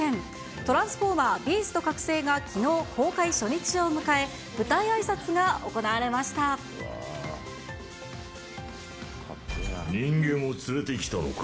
トランスフォーマー／ビースト覚醒がきのう公開初日を迎え、人間を連れてきたのか。